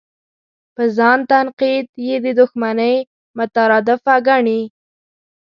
په ځان تنقید یې د دوښمنۍ مترادفه ګڼي.